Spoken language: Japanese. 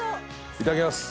いただきます。